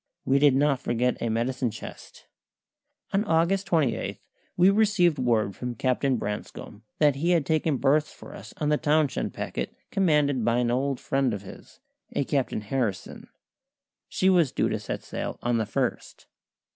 We did not forget a medicine chest. On August 28 we received word from Captain Branscome that he had taken berths for us on the Townshend packet, commanded by an old friend of his, a Captain Harrison. She was due to sail on the 1st.